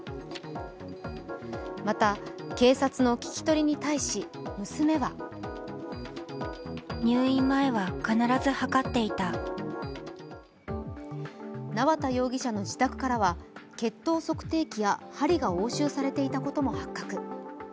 また、警察の聞き取りに対し娘は縄田容疑者の自宅からは血糖測定器や針が押収されていたことも発覚。